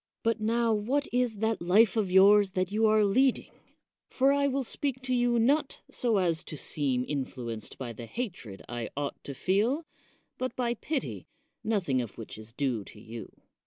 But now, what is that life of yours that you 102 CICERO are leading ? For I will speak to you not so as to seem influenced by the hatred I ought to feel, but by pity, nothing of which is due to you.